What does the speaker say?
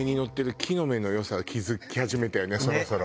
そろそろ。